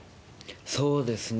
そうですね。